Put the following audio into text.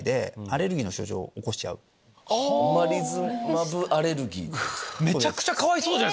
オマリズマブアレルギー。